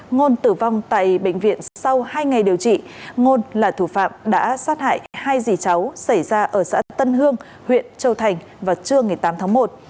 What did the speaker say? ngôn tử vong tại bệnh viện sau hai ngày điều trị ngôn là thủ phạm đã sát hại hai dì cháu xảy ra ở xã tân hương huyện châu thành vào trưa ngày tám tháng một